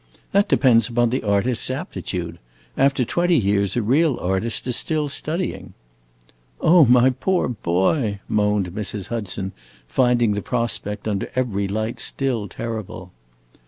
"That depends upon the artist's aptitude. After twenty years a real artist is still studying." "Oh, my poor boy!" moaned Mrs. Hudson, finding the prospect, under every light, still terrible.